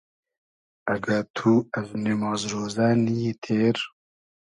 اگۂ تو از نیماز رۉزۂ نی یی تېر